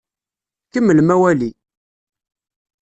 Kemmlem awali!